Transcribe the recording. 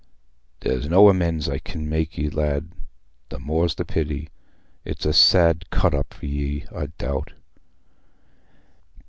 There's no amends I can make ye, lad—the more's the pity: it's a sad cut up for ye, I doubt."